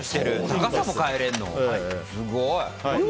高さも変えられるの？